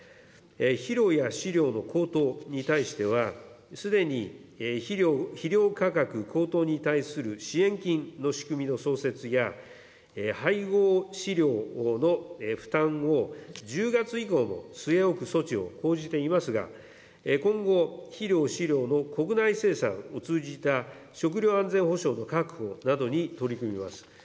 肥料や飼料の高騰に対しては、すでに肥料価格高騰に対する支援金の仕組みの創設や、配合飼料の負担を、１０月以降も据え置く措置を講じていますが、今後、肥料・飼料の国内生産を通じた食料安全保障の確保などに取り組みます。